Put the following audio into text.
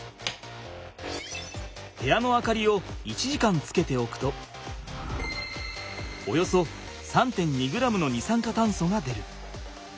部屋の明かりを１時間つけておくとおよそ３．２ｇの二酸化炭素が出る。